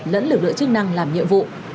lẫn lực lượng chức năng làm nhiệm vụ